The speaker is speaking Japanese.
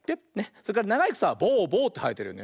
それからながいくさはボゥボゥってはえてるよね。